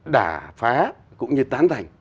đà phá cũng như tán thành